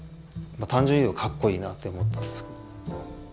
単純にいうとかっこいいなあって思ったんですけど。